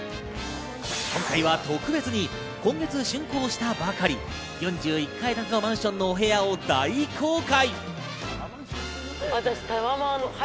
今回は特別に今月竣工したばかり、４１階建てのマンションのお部屋を大公開。